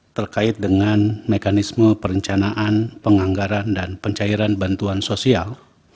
terkait dengan mekanisme perencanaan penganggaran dan pencairan bantuan sosial